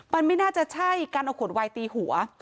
มันไม่น่าจะใช่การเอาขวดวายตีหัว